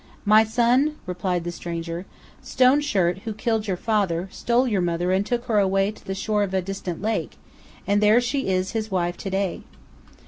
"My son," replied the stranger, "Stone Shirt, who killed your father, stole your mother and took her away to the shore of a distant lake, and there she is his wife to day."